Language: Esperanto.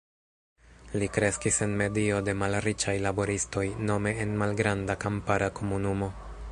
Li kreskis en medio de malriĉaj laboristoj, nome en malgranda kampara komunumo.